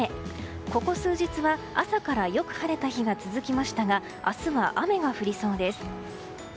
ここ数日は朝からよく晴れた日が続きましたが明日は雨が降りそうです。